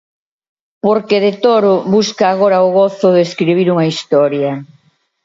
Porque De Toro busca agora o gozo de escribir unha historia.